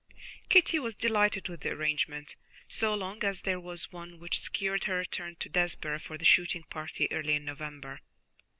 Kitty was delighted with the arrangement, so long as there was one which secured her return to Desborough for the shooting party early in November.